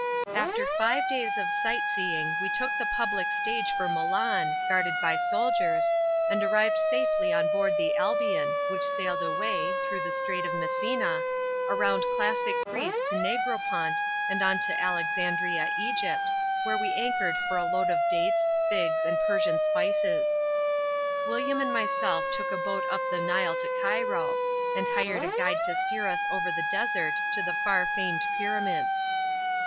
_ After five days of sightseeing we took the public stage for Milan, guarded by soldiers, and arrived safely on board the Albion, which sailed away, through the Strait of Messina, around classic Greece to Negropont and on to Alexandria, Egypt, where we anchored for a load of dates, figs and Persian spices. William and myself took a boat up the Nile to Cairo, and hired a guide to steer us over the desert to the far famed Pyramids.